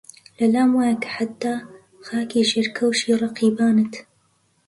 لەلام وایە کە حەتتا خاکی ژێرکەوشی ڕەقیبانت